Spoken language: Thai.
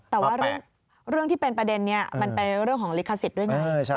แต่ว่าเรื่องที่เป็นประเด็นนี้มันเป็นเรื่องของลิขสิทธิ์ด้วยไง